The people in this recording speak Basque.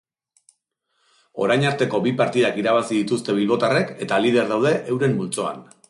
Orainarteko bi partidak irabazi dituzte bilbotarrek eta lider daude euren multzoan.